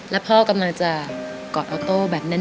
แล้วพ่อกำลังจะกอดออโต้แบบแน่น